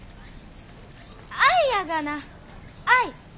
愛やがな愛！